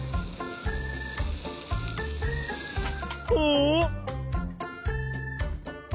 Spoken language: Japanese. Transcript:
お！